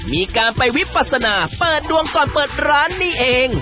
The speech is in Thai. มีการไปวิปัสนาเปิดดวงก่อนเปิดร้านนี่เอง